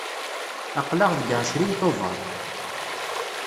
Aql-aɣ deg ɛecrin Tubeṛ.